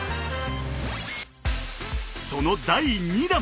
その第２段！